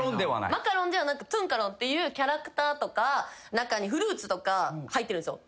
マカロンではなくトゥンカロンっていうキャラクターとか中にフルーツとか入ってるんすよ。